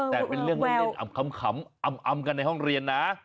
แต่เป็นเรื่องเล่นอำขำอำกันในห้องเรียนนะ